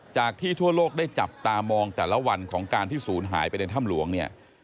จากที่ทั่วโลกได้จับตามองแต่ละวันของการที่ศูนย์หายไปในถ้ำหลวงเนี่ย